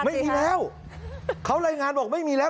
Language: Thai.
ไม่มีแล้วเขารายงานบอกไม่มีแล้ว